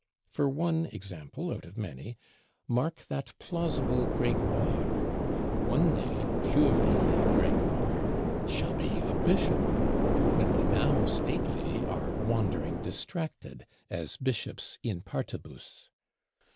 For one example out of many, mark that plausible Grégoire: one day Curé Grégoire shall be a Bishop, when the now stately are wandering distracted, as Bishops in partibus.